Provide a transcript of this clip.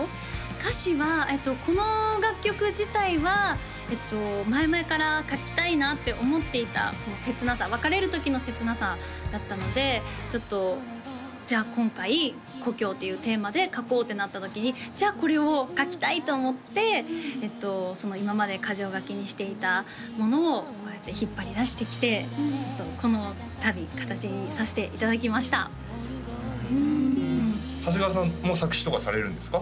歌詞はこの楽曲自体は前々から書きたいなって思っていた切なさ別れる時の切なさだったのでちょっとじゃあ今回故郷というテーマで書こうってなった時にじゃあこれを書きたいと思って今まで箇条書きにしていたものをこうやって引っ張り出してきてこのたび形にさせていただきましたうん長谷川さんも作詞とかされるんですか？